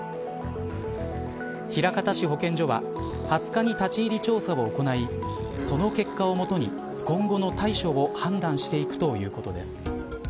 枚方市保健所は２０日に立ち入り調査を行いその結果を基に今後の対処を判断していくということです。